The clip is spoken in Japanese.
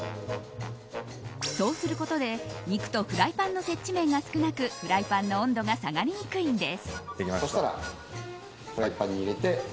そうすることで肉とフライパンの接地面が少なくフライパンの温度が下がりにくいんです。